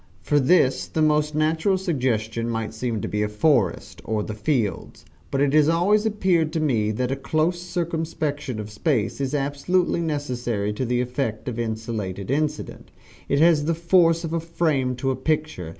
For this the most natural suggestion might seem to be a forest, or the fields but it has always appeared to me that a close circumscription of space is absolutely necessary to the effect of insulated incident it has the force of a frame to a picture.